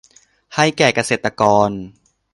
ให้แก่เกษตรกร